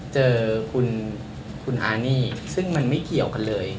เจอคุณอานี่ซึ่งมันไม่เกี่ยวกันเลย